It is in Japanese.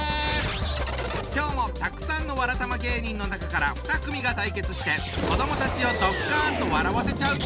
今日もたくさんのわらたま芸人の中から２組が対決して子どもたちをドッカンと笑わせちゃうぞ！